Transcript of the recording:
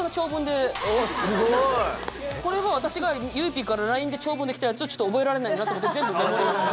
これは私がゆいＰからＬＩＮＥで長文で来たやつをちょっと覚えられないなと思って全部メモりました。